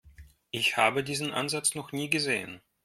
Ich habe diesen Ansatz noch nie gesehen.